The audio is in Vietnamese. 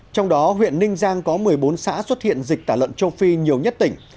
trong đó huyện ninh giang có một mươi bốn xã xuất hiện dịch tả lợn châu phi nhiều nhất tỉnh